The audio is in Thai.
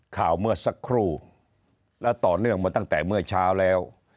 ข่าวเมื่อสักครู่และต่อเนื่องมาตั้งแต่เมื่อเช้าแล้ว